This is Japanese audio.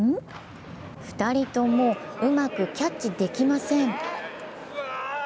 ２人ともうまくキャッチできません